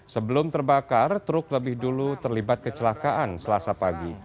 sebelum terbakar truk lebih dulu terlibat kecelakaan selasa pagi